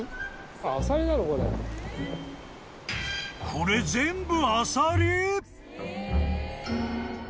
［これ全部］